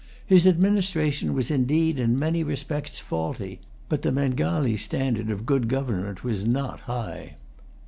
His administration was indeed in many respects faulty; but the Bengalee standard of good government was not high.